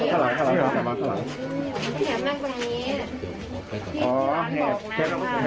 ทีมข่าวเราก็พยายามสอบปากคำในแหบนะครับ